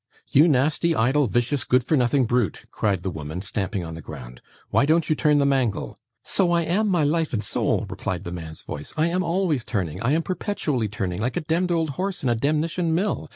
'You nasty, idle, vicious, good for nothing brute,' cried the woman, stamping on the ground, 'why don't you turn the mangle?' 'So I am, my life and soul!' replied the man's voice. 'I am always turning. I am perpetually turning, like a demd old horse in a demnition mill.